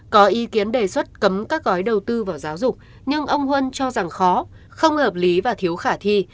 có ý kiến đề xuất cấm các gói đầu tư vào giáo dục nhưng ông huân cho rằng khó không hợp lý và thiếu khả thi